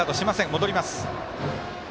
戻ります。